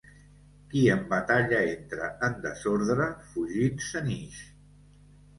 Qui en batalla entra en desordre, fugint se n'ix.